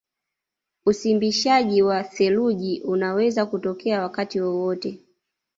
Usimbishaji wa theluji unaweza kutokea wakati wowote